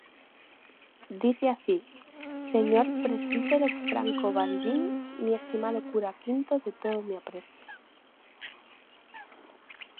Dice así: "Señor Presbítero Franco Balbín -Mi estimado Cura V de todo mi aprecio-.